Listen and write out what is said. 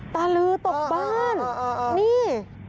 ตาลือตกบ้านนี่